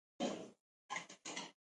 وړانګې په فضا کې انرژي لېږدوي.